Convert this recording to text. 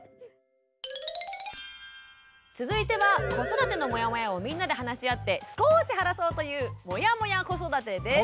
続いては子育てのモヤモヤをみんなで話し合って少し晴らそうという「モヤモヤ子育て」です。